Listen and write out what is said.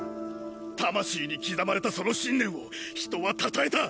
魂に刻まれたその信念を人は称えた！